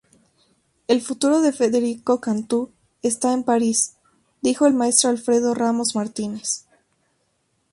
El futuro de Federico Cantú está en París, dijo el maestro Alfredo Ramos Martinez